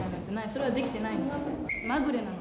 それはできてないの。